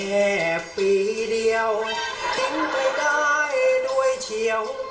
แค่ปีเดียวทิ้งไม่ได้ด้วยเฉียว